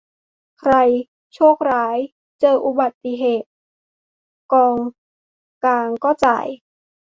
ใคร "โชคร้าย" เจออุบัติเหตุ กองกลางก็จ่าย